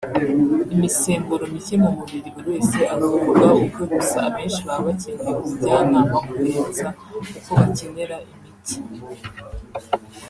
imisemburo mike mu mubiri; buri wese avurwa ukwe gusa abenshi baba bakeneye ubujyanama kurenza uko bakenera imiti